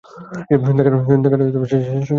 দেখাটা সে-জন্যেই এমন হঠাৎ হয়েছে।